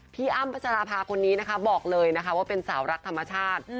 อ้ำพัชราภาคนนี้นะคะบอกเลยนะคะว่าเป็นสาวรักธรรมชาติ